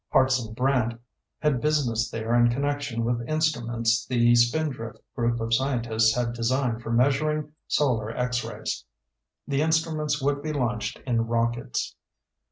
Hartson Brant had business there in connection with instruments the Spindrift group of scientists had designed for measuring solar X rays. The instruments would be launched in rockets.